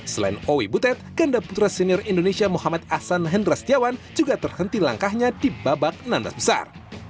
selain owi butet ganda putra senior indonesia muhammad ahsan hendra setiawan juga terhenti langkahnya di babak enam belas besar